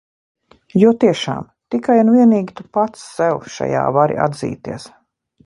Jo tiešām – tikai un vienīgi tu pats sev šajā vari atzīties.